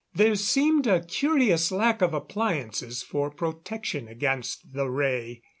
There seemed a curious lack of appliances for protection against the ray.